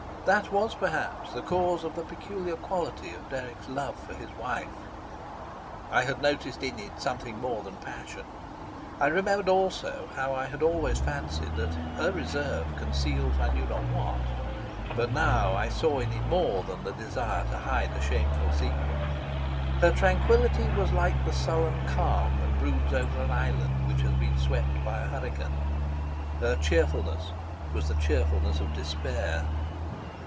That was perhaps the cause of the peculiar quality of Dirk's love for his wife. I had noticed in it something more than passion. I remembered also how I had always fancied that her reserve concealed I knew not what; but now I saw in it more than the desire to hide a shameful secret. Her tranquillity was like the sullen calm that broods over an island which has been swept by a hurricane. Her cheerfulness was the cheerfulness of despair.